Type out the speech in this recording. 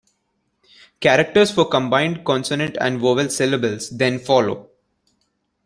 Characters for combined consonant and vowel syllables then follow.